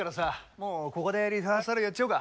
もうここでリハーサルやっちゃおうか。